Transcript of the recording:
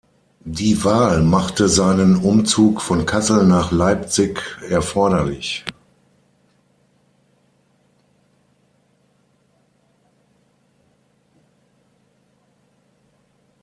Die Wahl machte seinen Umzug von Kassel nach Leipzig erforderlich.